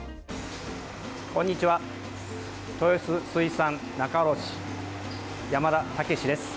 こんにちは豊洲水産仲卸、山田健です。